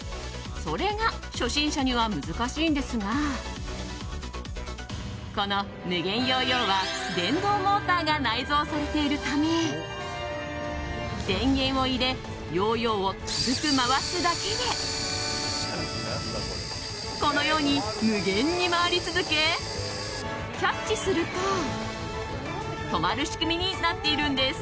それが初心者には難しいんですがこのＭＵＧＥＮＹＯＹＯは電動モーターが内臓されているため電源を入れヨーヨーを軽く回すだけでこのように無限に回り続けキャッチすると止まる仕組みになっているんです。